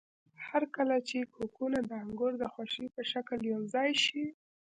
هرکله چې کوکونه د انګور د خوشې په شکل یوځای شي.